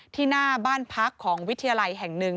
หน้าบ้านพักของวิทยาลัยแห่งหนึ่ง